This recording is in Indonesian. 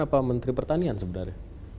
atau menteri pertanian sebenarnya